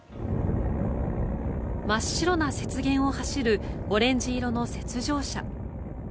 真っ白な雪原を走るオレンジ色の雪上車。